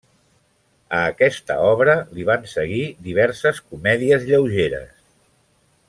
A aquesta obra li van seguir diverses comèdies lleugeres.